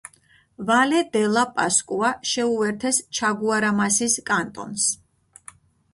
ვალე-დე-ლა-პასკუა შეუერთეს ჩაგუარამასის კანტონს.